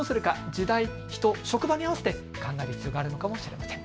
時代、人、職場に合わせて考える必要があるかもしれません。